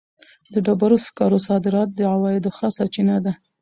د ډبرو سکرو صادرات د عوایدو ښه سرچینه ده.